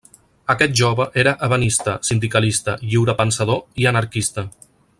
Aquest jove era ebenista, sindicalista, lliurepensador i anarquista.